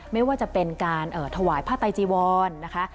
ไม่ว่าจะเป็นการถวายผ้าไตจีวรนะคะ